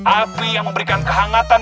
api yang memberikan kehangatan